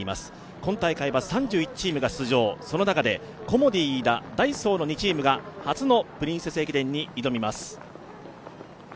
今大会は３１チームが出場、その中でコモディイイダ、ダイソーの２チームが初の「プリンセス駅伝」に挑みます。